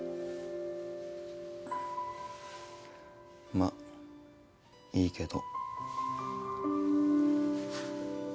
まあいいけど。